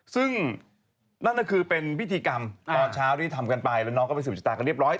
ซึ่งนั่นก็คือเป็นพิธีกรรมตอนเช้าที่ทำกันไปแล้วน้องก็ไปสืบชะตากันเรียบร้อย